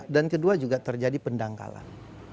dan kedua juga terjadi pendangkalan